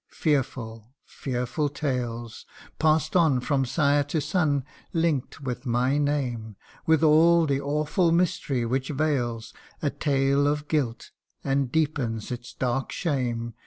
Fearful fearful tales Pass'd on from sire to son, link'd with my name, With all the awful mystery which veils A tale of guilt, and deepens its dark shame.